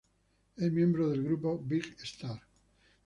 Es miembro del grupo "Big Star".